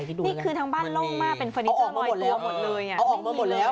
ดิดูออกมาหมดเลยอ่อมีมัวจะออกมาหมดแล้ว